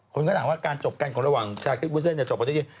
คนก็ถามว่าการจบกันของระหว่างชาติฯจบกันด้วยดี